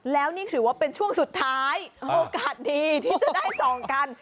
แล้วนี่ถือว่าเป็นช่วงสุดท้ายโอกาสดีที่จะได้ส่องกัน